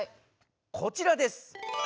こちらです。